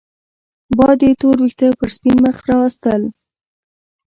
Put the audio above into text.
باد يې تور وېښته پر سپين مخ راوستل